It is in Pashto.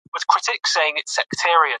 سیندونه د افغان کلتور په داستانونو کې راځي.